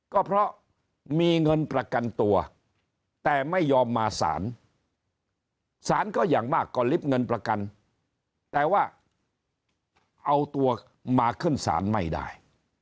ก็เพราะมีเงินประกันตัวแต่ไม่ยอมมาสารสารก็อย่างมากก็ลิฟต์เงินประกันแต่ว่าเอาตัวมาขึ้นศาลไม่ได้